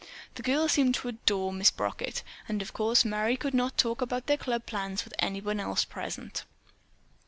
The girls seemed to adore Miss Brockett, but of course Merry could not talk about their club plans with anyone else present.